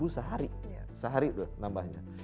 sehari sehari tuh nambahnya